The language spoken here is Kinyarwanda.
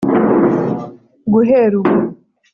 guhera ubu